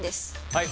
はい。